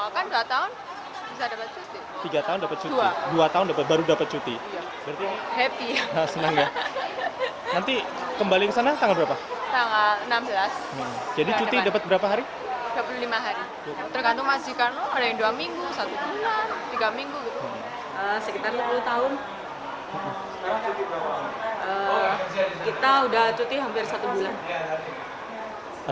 kita sudah cuti hampir satu bulan